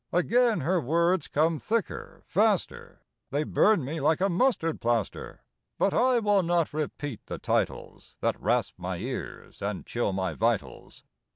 Again her words come thicker, faster, They burn me like a mustard plaster. But I will not repeat the titles That rasp my ears and chill my vitals.